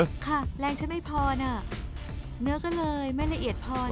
ค่ะแรงฉันไม่พอนะเนื้อก็เลยไม่ละเอียดพอ